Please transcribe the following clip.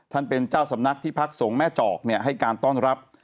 ท่านเป็นเจ้าสำนักที่พักสงฆ์แม่จอกให้การต้อนรับ